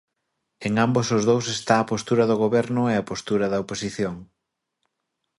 En ambos os dous está a postura do Goberno e a postura da oposición.